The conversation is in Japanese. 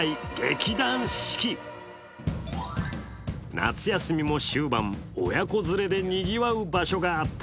夏休みも終盤、親子連れでにぎわう場所があった。